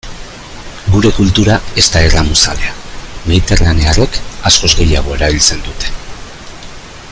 Gure kultura ez da erramuzalea, mediterranearrek askoz gehiago erabiltzen dute.